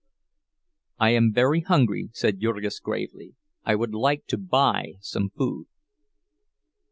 "I am very hungry," said Jurgis gravely; "I would like to buy some food."